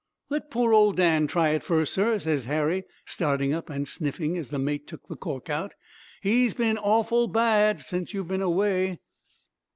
"'Let pore old Dan try it first, sir,' ses Harry, starting up, an' sniffing as the mate took the cork out; 'he's been awful bad since you've been away.'